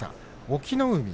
隠岐の海